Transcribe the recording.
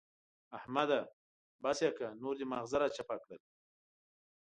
احمده! بس يې کړه نور دې ماغزه را چپه کړل.